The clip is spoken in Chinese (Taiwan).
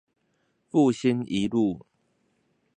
復興一路